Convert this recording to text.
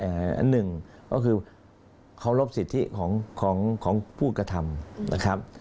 อันหนึ่งก็คือเคารพสิทธิของของผู้กระทำนะครับ